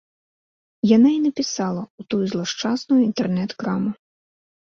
Яна і напісала ў тую злашчасную інтэрнэт-краму.